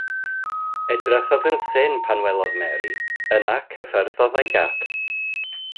Edrychodd yn syn pan welodd Mary, yna cyffyrddodd â'i gap.